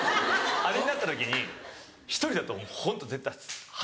あれになった時に１人だとホント絶対恥ずかしくて。